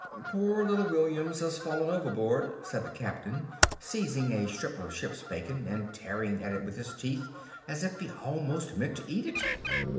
"Poor little Williams has fallen overboard," said the Captain, seizing a strip of ship's bacon and tearing at it with his teeth as if he almost meant to eat it.